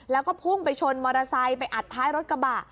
แล้วก็พุ่งไปชนมอเตอร์ไซค์ไปอัดท้ายรถกระบะ